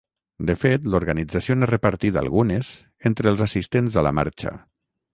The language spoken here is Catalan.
De fet, l’organització n’ha repartit algunes entre els assistents a la marxa.